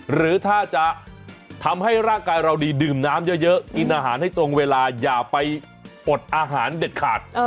หรือถ้าจะทำให้ร่างกายเราดีดื่มน้ำเยอะกินอาหารให้ตรงเวลาอย่าไปอดอาหารเด็ดขาด